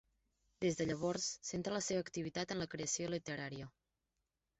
Des de llavors centra la seva activitat en la creació literària.